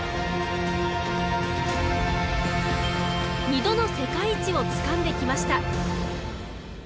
２度の世界一をつかんできました。